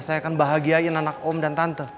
saya akan bahagiain anak om dan tante